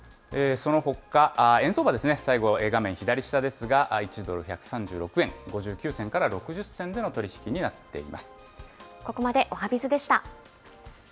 そのほか、円相場ですね、最後、画面左下ですが、１ドル１３６円５９銭から６０銭での取り引きになっています。